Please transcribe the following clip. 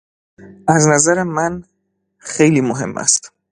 از نظر من خیلی مهم است.